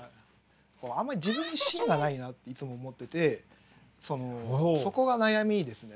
あんまり自分に芯がないなっていつも思っててそのそこが悩みですね。